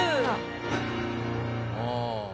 ああ。